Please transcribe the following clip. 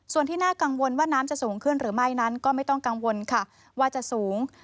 ส่วนที่น่ากังวลว่าน้ำจะสูงขึ้นหรือไม่นั้นก็ไม่ต้องกังวลค่ะว่าจะสูง